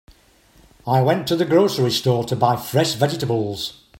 I went to the grocery store to buy fresh vegetables.